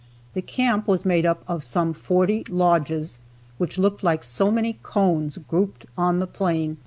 The camp was made up of some forty lodges, which looked like so many cones grouped on the plain.